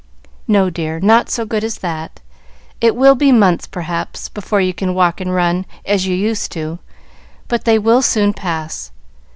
"No, dear, not so soon as that. It will be months, probably, before you can walk and run, as you used to; but they will soon pass.